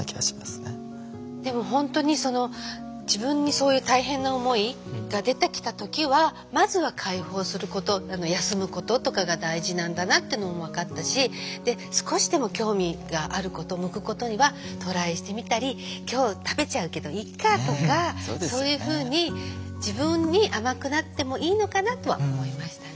でも本当にその自分にそういう大変な思いが出てきた時はまずは解放すること休むこととかが大事なんだなっていうのも分かったしで少しでも興味があること向くことにはトライしてみたり「今日食べちゃうけどいっか」とかそういうふうに自分に甘くなってもいいのかなとは思いましたね。